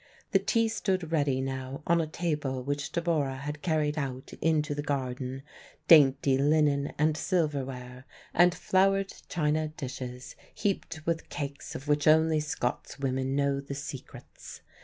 The tea stood ready now on a table which Deborah had carried out into the garden dainty linen and silverware, and flowered china dishes heaped with cakes of which only Scotswomen know the secrets.